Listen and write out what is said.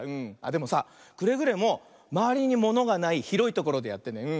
でもさくれぐれもまわりにものがないひろいところでやってね。